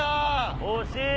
惜しい！